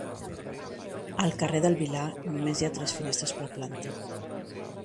Al carrer del Vilar només hi ha tres finestres per planta.